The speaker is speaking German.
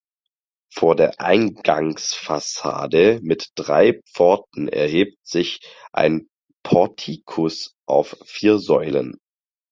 Vor der Eingangsfassade mit drei Pforten erhebt sich ein Portikus auf vier Säulen.